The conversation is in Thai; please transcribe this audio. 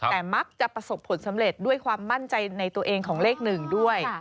แต่มักจะประสบผลสำเร็จด้วยความมั่นใจในตัวเองของเลข๑ด้วย